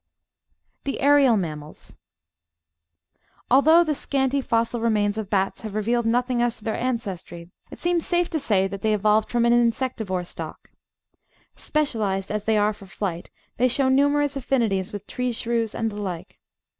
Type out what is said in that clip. The Aerial Mammals Although the scanty fossil remains of Bats have revealed nothing as to their ancestry, it seems safe to say that they evolved from an Insectivore stock. Specialised as they are for flight, they show numerous affinities with tree shrews and the like.